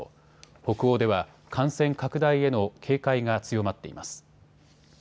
北欧では感染拡大への警戒が強まっています。